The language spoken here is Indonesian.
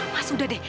mas udah deh